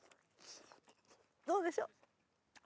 どうでしょう？